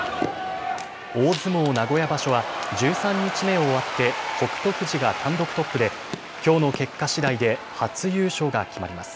大相撲名古屋場所は１３日目を終わって北勝富士が単独トップできょうの結果しだいで初優勝が決まります。